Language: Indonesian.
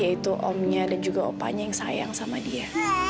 yaitu omnya dan juga opanya yang sayang sama dia